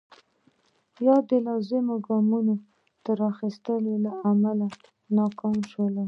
یا د لازمو ګامونو نه اخیستو له امله ناکام شول.